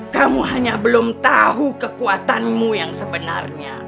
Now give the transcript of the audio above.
kamu hanya belum tahu kekuatanmu yang sebenarnya